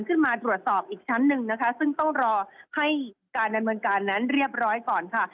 ขึ้นมาตรวจสอบอีกชั้นหนึ่งนะคะซึ่งต้องรอให้การดำเนินการนั้นเรียบร้อยก่อนค่ะ